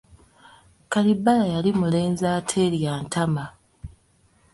Kalibbala yali mulenzi ateerya ntama!